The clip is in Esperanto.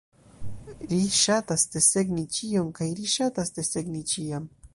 Ri ŝatas desegni ĉion, kaj ri ŝatas desegni ĉiam.